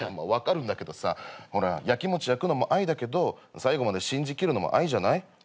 分かるんだけどさほら焼きもち焼くのも愛だけど最後まで信じきるのも愛じゃない？